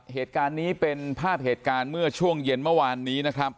เหตุการณ์นี้เป็นพากษ์เหตุด้านเมื่อช่วงเย็นเมื่อวานนี้